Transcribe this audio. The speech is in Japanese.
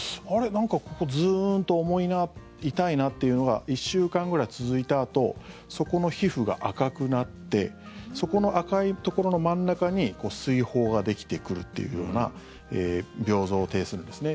なんかここズーンと重いな痛いなっていうのが１週間ぐらい続いたあとそこの皮膚が赤くなってそこの赤いところの真ん中に水疱ができてくるっていうような病像を呈するんですね。